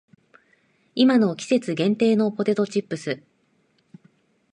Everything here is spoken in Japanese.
今の季節限定のポテトチップス